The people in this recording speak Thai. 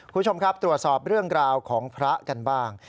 คุณผู้ชมครับตรวจสอบเรื่องราวของพระกันบ้าง